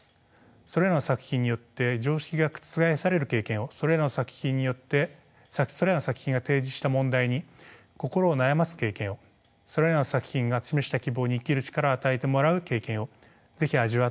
それらの作品によって常識が覆される経験をそれらの作品によってそれらの作品が提示した問題に心を悩ます経験をそれらの作品が示した希望に生きる力を与えてもらう経験を是非味わってもらいたいです。